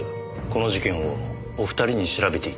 この事件をお二人に調べて頂きたい。